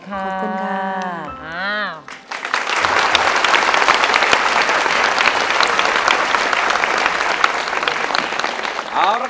กลับมาเมื่อเวลาที่สุดท้าย